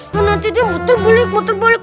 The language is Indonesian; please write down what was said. nanti dia muter bolik muter bolik